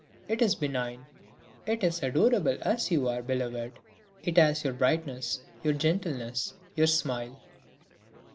It is benign; it is adorable, as you are, beloved; it has your brightness, your gentleness, your smile."